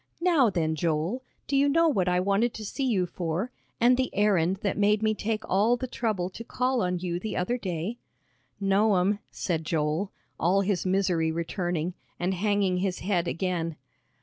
Now then, Joel, do you know what I wanted to see you for, and the errand that made me take all the trouble to call on you the other day?" "No'm," said Joel, all his misery returning, and hanging his head again.